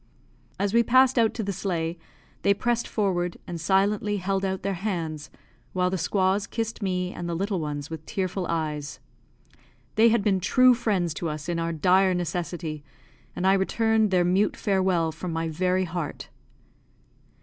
As we passed out to the sleigh, they pressed forward, and silently held out their hands, while the squaws kissed me and the little ones with tearful eyes. They had been true friends to us in our dire necessity, and I returned their mute farewell from my very heart.